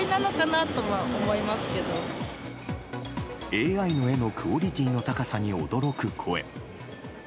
ＡＩの絵のクオリティーの高さに驚く声。